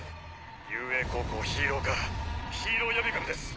雄英高校ヒーロー科ヒーロー予備軍です。